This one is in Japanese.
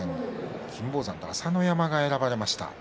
金峰山と朝乃山が選ばれました。